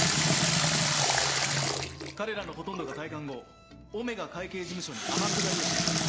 彼らのほとんどが退官後オメガ会計事務所に天下りをしてる。